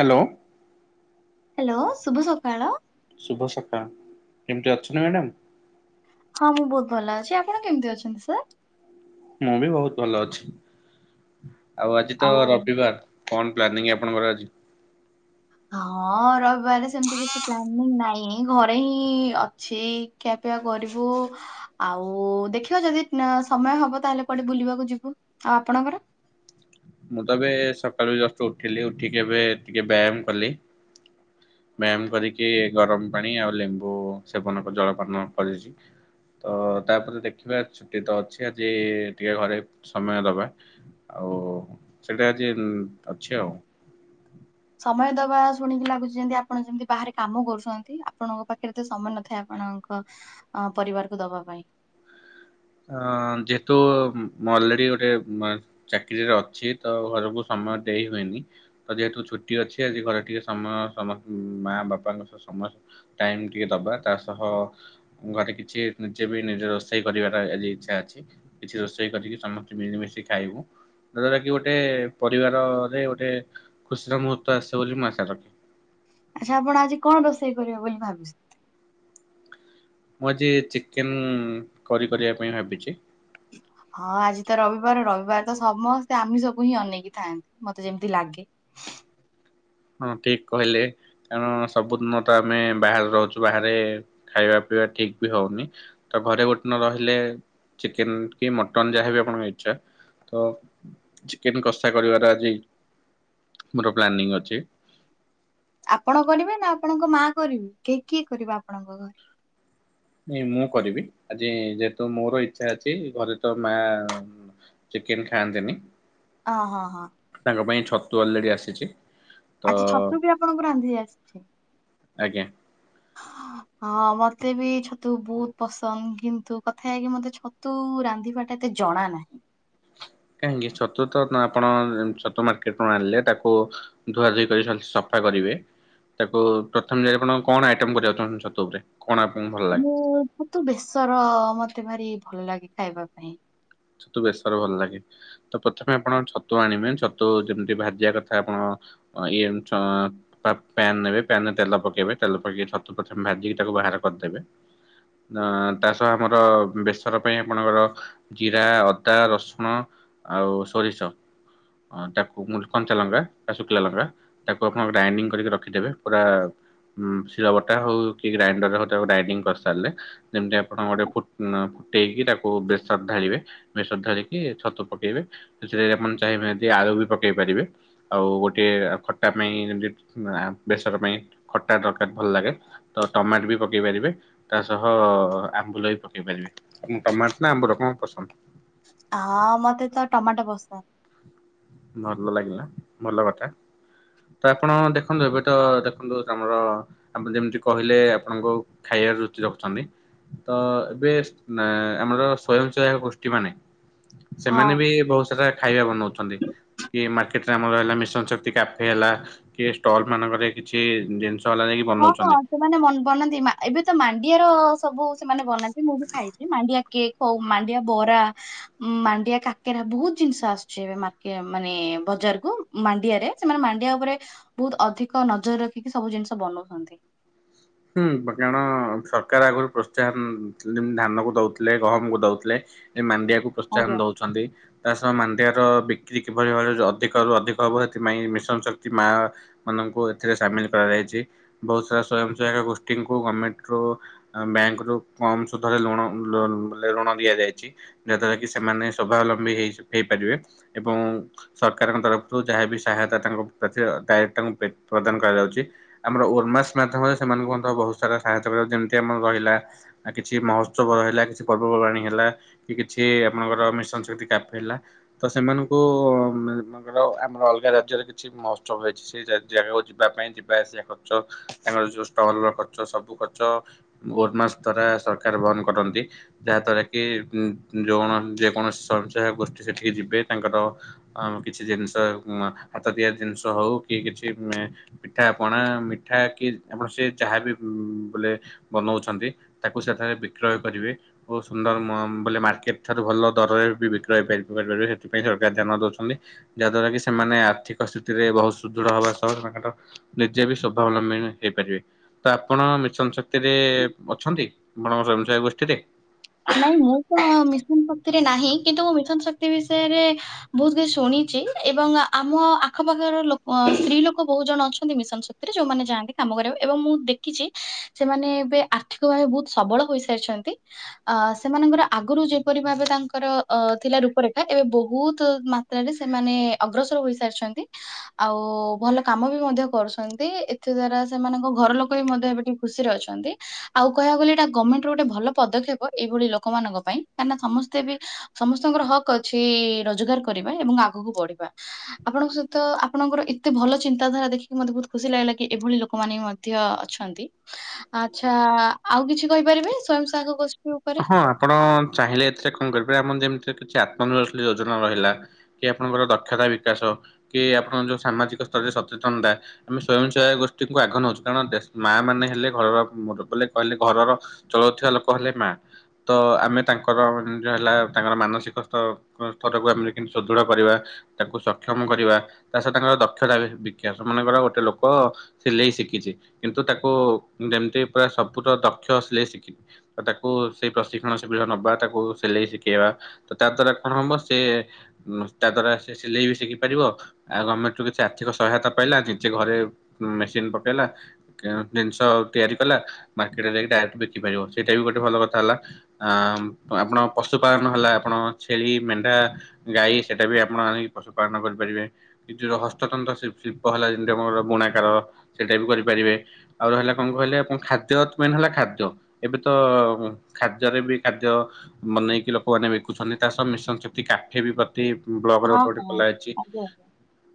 Hello. Hello ଶୁଭ ସକାଳ। ଶୁଭ ସକାଳ କେମିତି ଅଛନ୍ତି ମ୍ୟାଡାମ? ହଁ ମୁଁ ବହୁତ ଭଲ ଅଛି ଆପଣ କେମିତି ଅଛନ୍ତି ସାର୍? ମୁଁ ବି ବହୁତ ଭଲ ଅଛି ଆଉ ଆଜି ତ ରବିବାର। କଣ ପ୍ଲାନିଂ ଆପଣଙ୍କର ଆଜି? ହଁ ରବିବାରରେ ସେମିତି କିଛି ପ୍ଲାନିଂ ନାହିଁ ଘରେ ହିଁ ଅଛି କେ ପିଆ କରିବୁ ଆଉ ଦେଖିବା ଯଦି ନା ସମୟ ହବ ତାହେଲେ କୁଆଡେ ବୁଲିବାକୁ ଯିବୁ। ଆଉ ଆପଣଙ୍କର? [inaudible] ମୁଁ ତ ଏବେ ସକାଳୁ ଜଷ୍ଟ ଉଠିଲି ଉଠିକି ଏବେ ଟିକେ ବ୍ୟାୟାମ କଲି। ବ୍ୟାୟାମ କରିକି ଗରମ ପାଣି ଆଉ ଲେମ୍ବୁ ସେବନ କଲ ଜଳପାନ କରିଛି। ତ ତାପରେ ଦେଖିବା ଛୁଟି ତ ଅଛି ଆଜି ଟିକେ ଘରେ ସମୟ ଦବା। ଆଉ ସେଟା ଆଜି ଅଛି ଆଉ। ସମୟ ଦବା ଶୁଣିକି ଲାଗୁଛି ଯେମିତି ଆପଣ ଯେମିତି ବାହାରେ କାମ କରୁଛନ୍ତି। ଆପଣଙ୍କ ପାଖରେ ଏତେ ସମୟ ନଥାଏ ଆପଣଙ୍କ ଅ ପରିବାରକୁ ଦବା ପାଇଁ। [inaudible] ଅ ଯେହେତୁ ମୁଁ ଅଲରେଡି ଗୋଟେ ମ ଚାକିରିରେ ଅଛି ତ ଘରକୁ ସମ ସମୟ ଦେଇ ହୁଏନି ତ ଯେହେତୁ ଛୁଟି ଅଛି ଆଜି ଘରେ ଟିକେ ସମୟ ସମସ୍ତ ମା ବାପାଙ୍କ ସହ ସମ ଟାଇମ୍ ଟିକେ ଦବା ତା ସହ ଘରେ କିଛି ନିଜେ ବି ନିଜ ରୋଷେଇ କରିବା। ତ ଆଜି ଇଛା ଅଛି କିଛି ରୋଷେଇ କରିକି ସମସ୍ତେ ମିଳିମିଶି ଖାଇବୁ। ଯାହାଦ୍ଵାରା କି ଗୋଟେ ପରିବାରରେ ଗୋଟେ ଖୁସିର ମୁହୂର୍ତ୍ତ ଆସେ ବୋଲି ମୁଁ ଆଶା ରଖେ। ଆଚ୍ଛା ଆପଣ ଆଜି କଣ ରୋଷେଇ କରିବେ ବୋଲି ଭାବିଛନ୍ତି? ମୁଁ ଆଜି ଚିକେନ୍ କରି କରିବା ପାଇଁ ଭାବିଚି। ହଁ ଆଜି ତ ରବିବାର ରବିବାର ତ ସମସ୍ତେ ଆମିଷ କୁ ହିଁ ଅନେଇକି ଥାନ୍ତି, ମତେ ଯେମିତି ଲାଗେ। [inaudible] ହଁ ଠିକ କହିଲେ କାରଣ ସବୁଦିନ ତ ଆମେ ବାହାରେ ରହୁଚୁ, ବାହାରେ ଖାଇବା ପିବା ଠିକ ବି ହଉନି ତ ଘରେ ଗୋଟେ ଦିନ ରହିଲେ ଚିକେନ୍ କି ମଟନ୍ ଯାହାବି ଆପଣଙ୍କ ଇଚ୍ଛା ତ ଚିକେନ୍ କଷା କରିବାର ଆଜି ମୋର ପ୍ଲାନିଂ ଅଛି। ଆପଣ କରିବେ ନା ଆପଣଙ୍କ ମା କରିବେ କ କିଏ କରିବ ଆପଣଙ୍କ ଘରେ? ନାଇଁ ମୁଁ କରିବି ଆଜି ଯେହେତୁ ମୋର ଇଚ୍ଛା ଅଛି, ଘରେ ତ ମା ଚିକେନ୍ ଖାଆନ୍ତିନି। ଅହ ହଁ। ତାଙ୍କ ପାଇଁ ଛତୁ ଅଲରେଡ଼ି ଆସିଚି। ଆଚ୍ଛା ଛତୁ ବି ଆପଣଙ୍କୁ ରାନ୍ଧି ଆସୁଚି। ଆଜ୍ଞା [unintelligible] ହଁ ମତେ ବି ଛତୁ ବହୁତ ପସନ୍ଦ କିନ୍ତୁ କଥା ଏଇଆ କି ମତେ ଛତୁ ରାନ୍ଧିବାଟା ଏତେ ଜଣା ନାହିଁ। କାହିଁକି ଛତୁ ତ ଆପଣ ଛତୁ ମାର୍କେଟ ରୁ ଆଣିଲେ ତାକୁ ଧୁଆ ଧୁଇ କରି ରଖି ସ ସଫା କରିବେ ତାକୁ ପ୍ରଥମେ ଯାଇ ଆପଣ କଣ ଆଇଟମ କରିବାକୁ ଚାହୁଁଛନ୍ତି ଛତୁ ଉପରେ? କଣ ଆପଣଙ୍କୁ ଭଲ ଲାଗେ? ମୁଁ ଛତୁ ବେସର ମତେ ଭାରି ଭଲ ଲାଗେ ଖାଇବା ପାଇଁ। ଛତୁ ବେଶର ଭଲ ଲାଗେ ତ ପ୍ରଥମେ ଆପଣ ଛତୁ ଆଣିବେ, ଛତୁ ଯେମତି ଭାଜିଆ କଥା ଆପଣ ଇଏ ଆଁ ପ୍ୟା ପ୍ୟାନ୍ ନେବେ ପ୍ୟାନ୍ ରେ ତେଲ ପକେଇବେ ତେଲ ପକେଇକି ଛତୁ ପ୍ରଥମେ ଭାଜିକି ତାକୁ ବାହାର କରିଦେବେ ଆଁ ତା ସହ ଆମର ବେସର ପାଇଁ ଆପଣଙ୍କର ଜିରା, ଅଦା, ରସୁଣ, ଆଉ ସୋରିଷ ଆଁ ତାକୁ ମୁଁ କଞ୍ଚା ଲଙ୍କା ବା ଶୁଖିଲା ଲଙ୍କା ତାକୁ ଆପଣ ଗ୍ରାଇଣ୍ଡିଙ୍ଗ କରିକି ରଖିଦେବେ ପୁରା ଉ ଶିଳବଟା ହଉ କି ଗ୍ରାଇଣ୍ଡର ରେ ହଉ ତାକୁ ଗ୍ରାଇଡିଙ୍ଗ କରି ସାରଲେ ସେମତି ଆପଣ ଗୋଟେ ପୁ ଉଁ ଟେଇକି ତାକୁ ବେଶୀ ଢାଳିବେ, ବେସର ଢାଳିକି ଛତୁ ପକେଇବେ, ସେ ଆପଣ ଚାହିଁବେ ଯଦି ଆଳୁ ବି ପକେଇ ପାରିବେ। ଆଉ ଗୋଟିଏ ଖଟା ପାଇଁ, ଯେମିତି ବେସର ପାଇଁ, ଖଟା ଦରକାର ଭଲ ଲାଗେ। ତ ଟମାଟ ବି ପକେଇ ପାରିବେ, ତା ସହ ଆମ୍ବୁଲ ବି ପକେଇ ପାରିବେ, ଉଁ ଟମାଟ ନା ଆମ୍ବୁଲ? ହଁ ପସନ୍ଦ। ହଁ ମତେ ତ ଟମାଟୋ ପସନ୍ଦ। ଭଲ ଲାଗିଲା, ଭଲ କଥା। ତ ଆପଣ ଦେଖନ୍ତୁ ଏବେ ତ, ଦେଖନ୍ତୁ ଆମର ଆପ ଯେମିତି କହିଲେ, ଆପଣଙ୍କୁ ଖାଇ ରେ ରୁଚି ରଖୁଛନ୍ତି। ତ ଏବେ ଅଁ ଆମର ସ୍ଵୟଂସହାୟକ ଗୋଷ୍ଠୀ ମାନେ ହଁ। ସେମାନେ ବି ବହୁତ୍ ସାରା ଖାଇବା ବନଉଛନ୍ତି। କି ମାର୍କେଟରେ ରେ ଆମର ହେଲା କି ମିଶନ ଶକ୍ତି କ୍ୟଫେ୍ ହେଲା କି ଷ୍ଟଲ୍ ମାନଙ୍କରେ କିଛି ଜିନି ହଁ ହଁ ସେମାନେ ମ ବନାନ୍ତି। ଏବେ ତ ମାଣ୍ଡିଆର ସବୁ ସେମାନେ ବନାନ୍ତି। ମୁଁ ବି ଖାଇଛି ମାଣ୍ଡିଆ କି କଉ ମାଣ୍ଡିଆ ବରା ମାଣ୍ଡିଆ କାକେରା ବହୁତ ଜିନିଷ ଆସୁଛି ଏବେମାକିଆ ମାନେ ବଜାର କୁ ମାଣ୍ଡିଆ ରେ ସେମାନେ ମାଣ୍ଡିଆ ଉପରେ ବହୁତ ଅଧିକ ନଜର ରଖିକି ସବୁ ଜିନିଷ ବନଉ ହନ୍ତି। ହୁଁ କାରଣ ସରକାର ଆଗରୁ ପ୍ରୋତ୍ସାହନ ଯେମିତି ଧାନକୁ ଦଉଥିଲେ ଗହମକୁ ଦଉଥିଲେ। ମାଣ୍ଡିଆକୁ ପ୍ରୋତ୍ସାହନ ଆଜ୍ଞା। ଦଉଚନ୍ତି। ତା ସହ ମାଣ୍ଡିଆ ର ବିକ୍ରି କିଭଳି ଭାବରେ ଅଧିକ ରୁ ଅଧିକ ହବ ସେଥିପାଇଁ ମିଶନ ଶକ୍ତି ମା ମାନଙ୍କ ଏଥିରେ ସାମିଲ କରାଯାଇଚି ବହୁତ ସାରା ସୟଂ ଯାହାର ଗୋଷ୍ଠୀଙ୍କୁ ଗମେଣ୍ଟର ବ୍ୟାଙ୍କରୁ କମ୍ ସୁଧରେ ଲୁଣ ଲ ଋଣ ଦିଆଯାଇ ଇଚି ଯାହାଦ୍ଵାରା କି ସେମାନେ ସ୍ୱାବଲମ୍ବୀ ହେ ହେଇପାରିବେ ଏବଂ ସରକାରଙ୍କ ତରଫରୁ ଯାହାବି ସହାୟତା ତାଙ୍କ ପ୍ରତି ଡା ତାଙ୍କୁ ପ୍ରଦାନ କରାଯାଉଛି ଆମର ଉମାସ ମାଧ୍ୟମରେ ସେମାନଙ୍କୁ ମଧ୍ୟ ବହୁତ ସାରା ସହାୟତା କରିବା ଯେମିତି ଆମର ରହିଲା କିଛି ମହୋତ୍ସବ ରହିଲା କିଛି ପର୍ବପର୍ବାଣୀ ହେଲା। ଲା କି କିଛି ଆପଣଙ୍କର ମିଶନ୍ ଶକ୍ତି କ୍ୟାଫେ୍ ହେଲା ତ ସେମାନଙ୍କୁ ସେମାନଙ୍କର ଆମର ଅଲଗା ରାଜ୍ୟରେ କିଛି ମହୋତ୍ସବ ହେଇଛି ସେଇ ଜାଗାକୁ ଯିବା ପାଇଁ ଯିବା ଆସିବା ଖର୍ଚ୍ଚ ତାଙ୍କର ଯୋଉ ଟଲ ର ଖର୍ଚ ସବୁ ଖର୍ଚ୍ଚ ଗୋଟେମାସ ଦ୍ଵାରା ସରକାର ବହନ କରନ୍ତି, ଯାହା ଦ୍ଵାରା କି ଯୋଉମାନେ ଯେକୌଣସି ସଞ୍ଚୟ ଗୋଷ୍ଠୀ ସେଠିକି ଯିବେ ତାଙ୍କର କିଛି ଜିନିଷ ହାତ ତିଆରି ଜିନିଷ ହଉ କି କିଛି ପିଠା ପଣା ମିଠା କି ଆପଣ ସେ ଯାହାବି ବୋଲେ ବନଉଛନ୍ତି ତାକୁ ସେଠାରେ ବିକ୍ରୟ କରିବେ ଓ ସୁନ୍ଦର ମମ ବଲେ ମାର୍କେଟ ଠାରୁ ଭଲ ଦରରେ ବି ବିକ୍ରୟ ପାଇ [unintelligible] ସେଥିପାଇଁ ସରକାର ଧ୍ୟାନ ଦଉଛନ୍ତି। ଯାହାଦ୍ଵାରା କି ସେମ୍ ମାନେ ଆର୍ଥିକ ସ୍ଥିତିରେ ବହୁତ ସୁଦୃଢ଼ ହବା ସହ, ତାଙ୍କର ନିଜେ ବି ସ୍ୱଭାବଲମ୍ବୀନି ହେଇପାରିବେ। ତ ଆପଣ ମିଶନ ଶକ୍ତିରେ ଅଛନ୍ତି, ଆପଣଙ୍କ ସ୍ୱୟଂସହାୟକ ଗୋଷ୍ଠୀରେ? ନାଇଁ ମୁଁ ତ ମିଶନ ଶକ୍ତିରେ ନାହିଁ କିନ୍ତୁ ମୁଁ ମିଶନ ଶକ୍ତି ବିଷୟରେ ବହୁତ କିଛି ଶୁଣି ଚି ଏବଂ ଆମ ଆଖପାଖରୋ କ ଲୋକ ସ୍ତ୍ରୀ ଲୋକ ବହୁତ ଜଣ ଅଛନ୍ତି ମିଶନ ଶକ୍ତିରେ ଯୋଉମାନେ ଯାଆନ୍ତି କାମ। କାମ କରିବାକୁ ଏବଂ ମୁଁ ଦେଖିଛି ସେମାନେ ଏବେ ଆର୍ଥିକ ଭାବେ ବହୁତ ସବଳ ହୋଇସାରିଛନ୍ତି। ଅ ସେମାନଙ୍କର ଆଗୁରୁ ଯେପରି ଭାବେ ତାଙ୍କର ଅ ଥିଲା ରୂପରେଖା ଏବେ ବହୁତୁ ମାତ୍ରାରେ ସେ ମାନେ ଅଗ୍ରସର ହୋଇ ସାରିଛନ୍ତି ଆଉ ଭଲ କାମ ବି ମଧ୍ୟ କରୁଛନ୍ତି ଏଥିଦ୍ଵାରା ସେମାନଙ୍କ ଘର ଲୋକ ବି ମଧ୍ୟ ଏବେ ଟିକେ ଖୁସିରେ ଅଛନ୍ତି, ଆଉ କହିବାକୁ ଗଲେ ଏଟା ଗମେଣ୍ଟର ଗୋଟେ ଭଲ ପଦକ୍ଷେପ। ଏଇଭଳି ଲୋକମାନଙ୍କ ପାଇଁ କାହିଁକିନା ସମସ୍ତେ ବି ସମସ୍ତଙ୍କର ହକ୍ ଅଛି ରୋଜଗାର କରିବା ଏବଂ ଆ ଆଗୁକୁ ବଢିବା, ଆପଣଙ୍କ ସହିତ ଆପଣଙ୍କର ଏତେ ଭଲ ଚିନ୍ତାଧାରା ଦେଖିକି ମତେ ବହୁତ ଖୁସି ଲାଗିଲା କି ଏଭଳି ଲୋକ ଲୋକମାନେ ମଧ୍ୟ ଅଛନ୍ତି ଆଚ୍ଛା ଆଉ କିଛି କହିପାରିବେ ସ୍ଵୟଂସହାୟକ ଗୋଷ୍ ହଁ ଆପଣ ଚାହିଁଲେ ଏଥିରେ କଣ କରିବେ ଆମର ଯେମ କିଛି ଆତ୍ମ ନିର୍ଭରଶିଳ ଯୋଜନା ରହିଲା, କି ଆପଣଙ୍କର ଦକ୍ଷତା ବିକାଶ, କି ଆପଣଙ୍କ ଯୋଉ ସାମାଜିକ ସର୍ବେ ସଚେତନତା ଆମେ ସ୍ୱୟଂ ସୟା ଗୋଷ୍ଠୀଙ୍କୁ ଆଗ ନଉଛୁ କାରଣ ଦେ ମା ମାନେ ହେଲେ ଘର ର ମୁର କହିଲେ ଘରର ଚଳଉଥିବା ଲୋକ ହେଲେ ମା। ତ ଆମେ ତାଙ୍କର ଯା ହେଲା ତାଙ୍କର ମାନସିକ ସ୍ତର ସ୍ତରକୁ ଆମେ ଲେକିନ ସୁଦୃଢ କରି ବା ତାକୁ ସକ୍ଷମ କରିବା। ତା ସହିତ ତାଙ୍କର ଦକ୍ଷତା ବି ବିକ୍ୟାଶ ମନେକର ଗୋଟେ ଲୋକ ସେ ଲେ ଇ ଶିଖିଛି। କିନ୍ତୁ ତାକୁ ଯେମତି ପୁରା ସବୁୁର ଦକ୍ଷ ଆସିଲେ ଶିଖି ଅ ତା ଓ ସେ ପ୍ରଶିକ୍ଷଣ ସୁବିଧା ନବା, ତାକୁ ସିଲେଇ ଶିଖେଇବା, ତା ଦ୍ଵାରା କଣ ହବ ସେ ଉମ ତା ଦ୍ଵାରା ସେ ସିଲେଇ ବି ଶିଖି ପାରିବ ଆଉ ଗଭମେଣ୍ଟ ରୁ କିଛି ଆର୍ଥିକ ସହାୟତା ପାଇଲା କିଛି ଘରେ ଉମ ମେସିନ ପକେଇଲାଅଁ ଜିନିଷ ତିଆରି କଲା, ମାର୍କେଟରେ ଯାଇକି ଡାଇରେକ୍ଟ ବିକି ପାରିବ। ସେଇଟା ବି ଗୋଟେ ଭଲ କଥା ହେଲା। ଆ ଆପଣ ପଶୁପାଳନ ହେଲା ଆପଣ ଛେଳି, ମେଣ୍ଢା, ଗାଈ ଇ ସେଟା ବି ଆପଣ ଆଣି ପଶୁପାଳନ କରିପାରିବେ। କି ଯୋ ହସ୍ତତନ୍ତ୍ର ଶି ଶିଳ୍ପ ହେଲା ଯେମିତି ଆମର ବୁଣାକାର। ସେଟା ବି କରିପାରିବେ। ଆଉ ରହିଲା କଣ କହିଲେ ଆପଣ ଖାଦ୍ୟ ମେନ ହେଲା ଖାଦ୍ୟ ଏବେ ତ ଖାଦ୍ୟରେ ବି ଖାଦ୍ୟ ବନେଇକି ଲୋକମାନେ ବିକୁଛନ୍ତି। ତା ସହ ମିଶନ ସେତି କାଠେ ବି ଅ ଟି ବ୍ଲକରେ ଗୋଟେ ଗୋଟେ ଖୋଲା ଅଛି।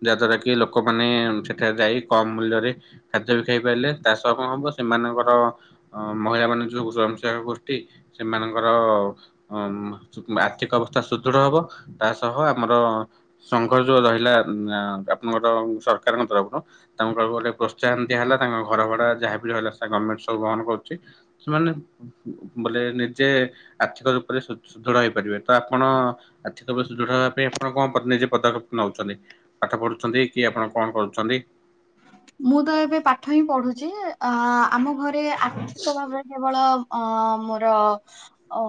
ଯାହା ଦ୍ଵାରା କି ଲୋକମାନେ ସେଠାରେ ଯାଇ କମ ମୂଲ୍ୟରେ ଖାଦ୍ୟ ବି ଖାଇ ପାରିଲେ ତା ସହ କଣ ହବ ସେମାନଙ୍କର ଅ ମହିଳା ମାନେ ଯୋଉ ସ୍ୱୟଂ [unintelligible] ଗୋଷ୍ଠୀ ସେମାନଙ୍କର ଆର୍ଥିକ ଉମ ଅବସ୍ଥା ସୁଦୃଢ ହବ ତା ସହ ଆମର ସଂଘ ଯୋଉ ରହିଲା ଉମ ଆପଣଙ୍କର ସରକାରଙ୍କ ତରଫରୁ ତାଙ୍କ ସବୁଆଡେ ପ୍ରୋତ୍ସାହନ ବି ହେଲା ତାଙ୍କ ଘର ଭଡା ଯାହା ବି ରହିଲା [unintelligible] ଗୋଭମେଣ୍ଟ ସବୁ ବହନ କରୁଛି ସେମାନେ ବୋଲେ ନିଜେ ଆର୍ଥିକ ରୂପରେ ସୁ ସୁଦୃଢ ହେଇପାରିବେ ତ ଆପଣ ଆର୍ଥିକ [unintelligible] ସୁଦୃଢ ତା ପାଇଁ ଆପଣ କଣ ପ ନିଜେ ପଦକ୍ଷେପ ନଉଛନ୍ତି। ପାଠ ପଢୁଛନ୍ତି କି ଆପଣ କଣ କରୁଛନ୍ତି? ମୁଁ ତ ଏବେ ପାଠ ହିଁ ପଢୁଛି ଅ ଆମ ଘରେ ଆର୍ଥିକ ଭାବରେ କେବଳ ଅ ମୋର ଅ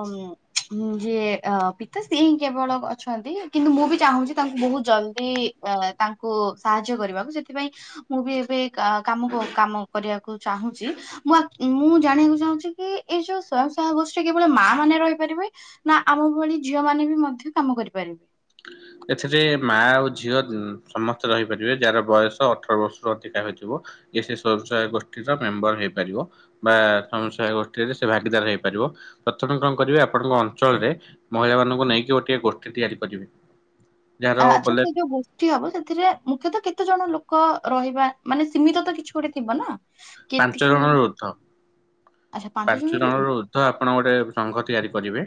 ଉମ ଯିଏ ଅ ପିତା ଶ୍ରୀ ହିଁ କେବଳ ଅଛ ନ୍ତି। କିନ୍ତୁ ମୁଁ ବି ଚାହୁଁଛି ତାଙ୍କୁ ବହୁତ ଜଲଦି ଅ ତାଙ୍କୁ ସାହାଯ୍ୟ କରିବାକୁ। ସେଥିପାଇଁ ମୁଁ ବି ଏବେ କା କାମ କ କାମ କରିବାକୁ ଚାହୁଁଛି। ମୁଁ ଆଉ ମୁଁ ଜାଣିବାକୁ ଚାହୁଁଛି କି ଏଇ ଯୋଉ ସ୍ଵୟଂସହାୟ ଗୋଷ୍ଠୀ କେବଳ ମା ମାନେ ରହିପାରିବେ ନା ଆମ ଭଳି ଝିଅ ମାନେ ବି ମଧ୍ୟ କାମ କରିପାରିବେ। ଏଥିରେ ମା ଆଉ ଝିଅ ଉମ ସମସ୍ତେ ରହିପାରିବେ ଯାହାର ବୟସ ଅଠର ବର୍ଷରୁ ଅଧିକ। ତା ହୋଇଥିବ ଯେ ସେ ସ୍ୱୟଂ ସହାୟ ଗୋଷ୍ଠୀ ର ମେମ୍ବର ବି ହେଇପାରିବ ବା ସ୍ୱୟଂ ସହାୟ ଗୋଷ୍ଠୀରେ ସେ ଭାଗିଦା ଦାର ହେଇପାରିବ। ପ୍ରଥମେ କଣ କରିବେ ଆପଣଙ୍କ ଅଞ୍ଚଳରେ ମହିଳା ମାନଙ୍କୁ ନେଇକି ଗୋଟିଏ ଗୋଷ୍ଠୀ ତିଆରି କରିବେ। ଯାହାର ଆ ଆଚ୍ଛା ବୋଲେ ସେ ଯୋଉ ଗୋଷ୍ଠୀ ହବ ସେଥିରେ ମୁଖ୍ୟତଃ କେତେ ଜଣ ଲୋ କ ରହିବା ମାନେ ସୀମିତ ତ କିଛି ଗୋଟେ ଥିବ ନା। ପାଞ୍ଚ କେତିକି ଜଣରୁ ଉର୍ଦ୍ଧ। ଆଚ୍ଛା ପାଞ୍ଚ ଜଣ ଜଣରୁ ରୁ ଉର୍ଦ୍ଧ୍ୱ ଆପଣ ଗୋଟେ ସଂଘ ତିଆରି କରିବେ।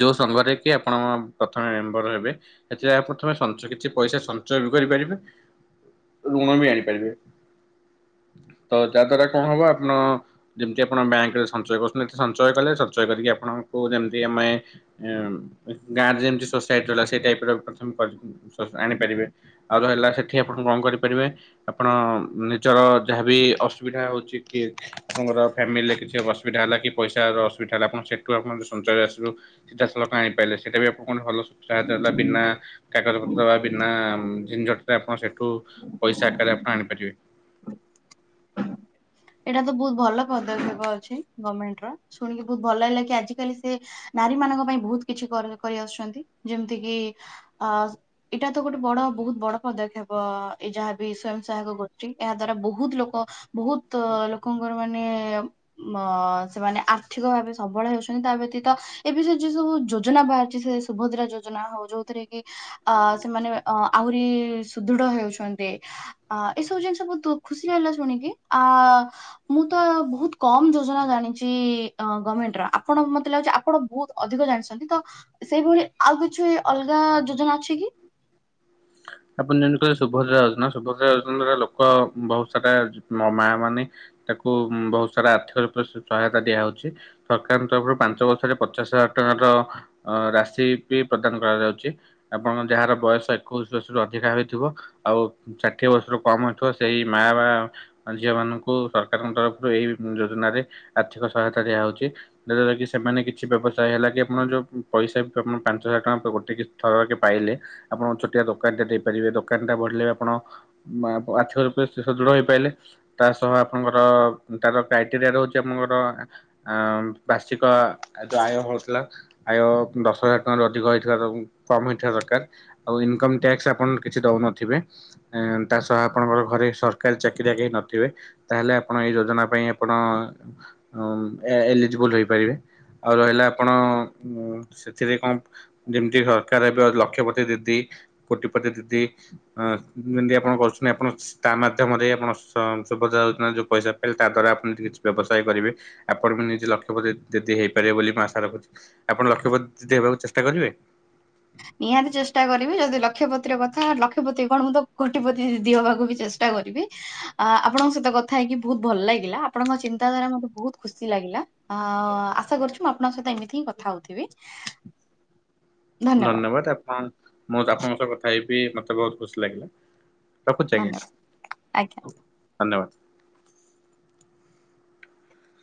ଯୋଉ ସଂଘରେ କି ଆପଣ ପ୍ରଥମେ ମେମ୍ବର ହେବେ ସେଥିରେ ଆ ପ୍ରଥମେ ସଞ୍ଚୟ କିଛି ପଇସା ସଞ୍ଚୟ ବି କ କରିପାରିବେ। ଋଣ ବି ଆଣିପାରିବେ। ତ ଯା ଦ୍ଵାରା କଣ ହବ ଆପଣ ଯେମିତି ଆପଣ ବ୍ୟାଙ୍କରେ ସଞ୍ଚୟ କରୁଛନ୍ତି ଏ [unintelligible] ସଞ୍ଚୟ କଲେ, ସଞ୍ଚୟ କରିକି ଆପଣଙ୍କୁ ଯେମିତି ଆମେ ଉମ ଗାଁରେ ଯେମିତି ସୋସାଇଟ ରହିଲା ସେ ଟାଇପ ର ପ୍ରଥମେ [unintelligible] ଆଣିପାରିବେ। ଆଉ ରହିଲା ସେଠି ଆପ [unintelligible] ଣ କରିପାରିବେ। ଆପଣ ନିଜର ଯାହାବି ଅସୁବିଧା ହଉଛି କି ଆପଙ୍କର ଫ୍ୟାମିଲିରେ କିଛି ଅସୁବିଧା ହେଲା କି ପଇସାର ଅସୁବିଧା ହେଲା ଆପଣ ସେଠୁ ଆପଣ ସଞ୍ଚୟ ଆସିବୁ ସିଧାସଳଖ ଆଣି ପାଇଲେ। ସେଟା ବି ଆପଣ କଣ ଭଲ ସୁ ସାହାୟତା ଦେଲା। ବିନା କାଗଜ ପତ୍ର ବା ବିନା ଉମ ଜିନଝଟକା ଆପଣ ସେଠୁ ପଇସା ଆକାରରେ ଆପଣ ଆଣିପାରିବେ। ଏଇଟା ତ ବହୁତ ଭଲ ପଦକ୍ଷେପ ଅଛି ଗଭର୍ଣ୍ଣମେଣ୍ଟ ର ଶୁଣିକି ବହୁତ ଭଲ ହେଲା କି ଆଜିିକାଲି ସେ ନା ନାରୀ ମାନଙ୍କ ପାଇଁ ବହୁତ କିଛି କରି କରିଆସୁଛନ୍ତି। ଯେମିତିକି ଆ ଇଟା ତ ଗୋଟେ ବଡ ବ ବହୁତ ବଡ ପଦକ୍ଷେପ ଏ ଯାହାବି ସ୍ଵୟଂ ସହାୟକ ଗୋଷ୍ଠୀ, ଏହା ଦ୍ଵାରା ବହୁତ ଲୋକ ବହୁତ ତ ଲୋକଙ୍କର ମାନେ ଅ ସେମାନେ ଆର୍ଥିକ ଭାବେ ସବଳ ହେଉଛନ୍ତି ତା ବ୍ୟତୀତ ଏବେ ଯେ ଯେ ସବୁ ଯୋଜନା ବାହାରିଛି ସେ ସୁଭଦ୍ରା ଯୋଜନା ହଉ ଯୋଉଥିରେ କି ଅ ସେମାନେ ଅ ଆହୁରି ସୁଦୃଢ ହେଉଛନ୍ତି। ଅ ଏସବୁ ଜିନିଷ ବହୁତ ଖୁସି ଲାଗିଲା ଶୁଣିକି। ଆ ମୁଁ ତ ବହୁତ କମ ଯୋଜନା ଜାଣିଛି ଅ ଗଭମେଣ୍ଟର ଆପଣ ମତେ ଲାଗୁଛି ଆପଣ ବହୁତ ଅଧିକ ଜାଣିଛନ୍ତି ତ ସେଇଭଳି ଆଉ କିଛି ଅଲଗା ଯୋଜନା ଅଛି କି? ଆପଣ ଜଣି କହିଲେ ସୁଭଦ୍ରା ଯୋଜନା ସୁଭଦ୍ରା ଯୋଜ [unintelligible] ଲୋକ ବହୁତ ସାରା ମ ମା ମାନେ ତାକୁ ଉଁ ବହୁତ ସାରା ଆର୍ଥିକ ରୂପେ ସ ସହା ୟତା ଦିଆ ହଉଛି ସରକାରଙ୍କ ତରଫରୁ ପାଞ୍ଚ ବର୍ଷରେ ପଚାଶ ହଜାର ଟଙ୍କାର ଅଁ ରାଶି ବି ପ୍ରଦା କରାଯାଉଛି ଆପଣ ଙ୍କ ଯାହାର ବୟସ ଏକୋଇଶ ବର୍ଷରୁ ଅଧିକା ହୋଇଥିବ ଆଉ ଷାଠିଏ ବର୍ଷରୁ କମ ହୋଇଥିବ ସେଇ ମା ବା ଅ ଝିଅ ମାନଙ୍କୁ। ଉ ସରକାରଙ୍କ ତରଫରୁ ଏହି ମ ଯୋଜନା ରେ ଆର୍ଥିକ ସହାୟତା ଦିଆହଉଛି ଯା ଦ୍ୱାରା କି ସେମାନେ କିଛି ବ୍ୟବ ସାୟ ହେଲା କିି ଆପଣ ଯୋଉ ପଇସା ଆପଣ ପାଞ୍ଚ ହଜାର ଟଙ୍କା ଗୋଟେ କି ଥରକେ ପାଇଲେ ଆପଣ ଛୋଟିଆ ଦୋ ଦୋକାନଟା ଦେଇପାରିବେ ଦୋକାନ ଟା ବଢିଲେ ଆପଣ ମା ପ ଆର୍ଥିକ ରୂପେ ସୁସଦୃଢ ହେଇପାଇଲେ ତା ସହ ଆପଣଙ୍କର ତାର କ୍ରାଇଟେରିଆ ରହୁଛି ଆପଣଙ୍କର ଆଁ ବାର୍ଷିକ ଆ ଯୋଉ ଆୟ। ଧବଳ ଥିଲା ଆୟ ଦଶହଜାର ଟଙ୍କା ରୁ ଅଧିକ ହେଇଥିବା [unintelligible] କମ ହେଇଥିବା ଦରକାର ଆଉ ଇନକମ୍। ଟ୍ୟାକ୍ସ ଆପଣ କିଛି ଦଉନଥିବେ ଆଁ ତା ସହ ଆପଣଙ୍କର ଘରେ ସରକାରୀ ଚାକିରିଆ କେହି ନଥିବେ। ତାହେଲେ ଆପଣ ଏଇ ଯୋଜନା ପାଇଁ ଆପଣ ଅଁମ ଏ-ଏ-ଏଲିଜିବୁଲ ହେଇପାରିବେ। ଆଉ ରହିଲା ଆପଣ ଉଁ ସେଥିରେ କଣ ଯେମିତି ସରକାର ଏବେ ଲକ୍ଷପତି ଦିଦି। କୋଟିପତି ଦଦି ଅଁ ଯେମିତି ଆପଣ କରୁଛନ୍ତି ଆପଣ ତା ମାଧ୍ୟମରେ ଆପଣ ସ ସୁ ଯଉ ଦିନ ଯଉ ପଇସା ପାଇଲେ ତା ଦ୍ୱାରା ଆପଣ ଟି କିଛି ବ୍ୟବସାୟ କରିବେ ଆପଣ ବି ନିଜେ ଲକ୍ଷ୍ୟ ପତି ଦିଦି ହେଇପାରିବେ ବୋଲି। ମୁଁ ଆଶା ରଖୁଚି ଆପଣ ଲକ୍ଷପତି ଦିଦି ହେବାକୁ ଚେଷ୍ଟା କରିବେ। ନିହାତି ଚେଷ୍ଟା କରିବି ଯଦି ଲକ୍ଷପତିର କଥା ଲକ୍ଷପତି କଣ ମୁଁ ତ କୋଟିପତି ଦିଦି ହବାକୁ ବି ଚେଷ୍ଟା କରିବି ଆ ଆପଣଙ୍କ ସହିତ କଥା ହେଇକି ବହୁତ ଭଲ ଲାଗିଲା ଆପଣଙ୍କ ଚିନ୍ତା ଧାରା ମତେ ବହୁତ ଖୁସି ଲାଗିଲା। ଅ ଆଶା କରୁଛି ମୁଁ ଆପଣଙ୍କ ସହିତ ଏମିତି ହିଁ କଥା ହଉଥିବି। ହଁ ଧନ୍ୟବାଦ ଆପଣ ମୁଁ ଆପଣଙ୍କ ସହ କଥା ହେଇ ବି ମତେ ବହୁତ ଖୁସି ଲାଗିଲା। ରଖୁଛି ଆଜ୍ଞା ଧନ୍ୟବାଦ ଆଜ୍ଞା। ଧନ୍ୟବାଦ।